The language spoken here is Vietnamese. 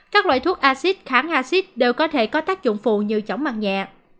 các loại thuốc acid kháng acid đều có thể có tác dụng phụ như chóng mặt nhẹ